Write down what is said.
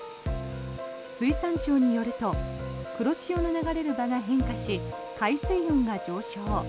水産庁によると黒潮の流れる場が変化し海水温が上昇。